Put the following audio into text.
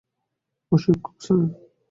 প্রশিক্ষক, স্যার?